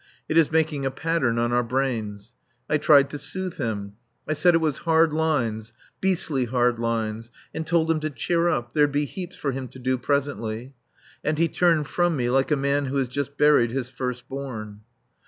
(It is making a pattern on our brains.) I tried to soothe him. I said it was hard lines beastly hard lines and told him to cheer up there'd be heaps for him to do presently. And he turned from me like a man who has just buried his first born.